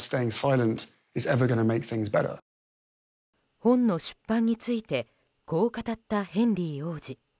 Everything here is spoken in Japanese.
本の出版についてこう語ったヘンリー王子。